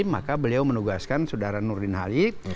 maka beliau menugaskan saudara nurdin halid